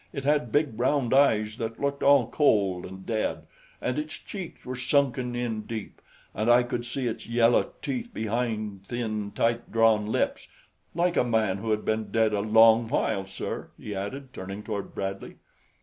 It had big round eyes that looked all cold and dead, and its cheeks were sunken in deep, and I could see its yellow teeth behind thin, tight drawn lips like a man who had been dead a long while, sir," he added, turning toward Bradley.